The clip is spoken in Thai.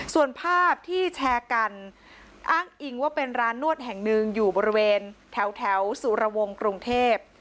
ส่วนภาพที่แชร์กันอ้างอิงว่าเป็นร้านนวดแห่งหนึ่งอยู่บริเวณแถวสุรวงศ์กรุงเทพ